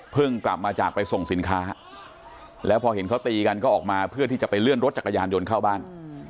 กลับมาจากไปส่งสินค้าแล้วพอเห็นเขาตีกันก็ออกมาเพื่อที่จะไปเลื่อนรถจักรยานยนต์เข้าบ้าน